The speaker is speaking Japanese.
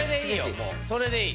もうそれでいい。